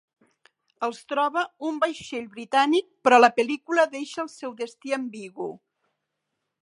Els troba un vaixell britànic, però la pel·lícula deixa el seu destí ambigu.